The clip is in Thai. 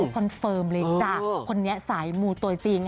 คอนเฟิร์มเลยจ้ะคนนี้สายมูตัวจริง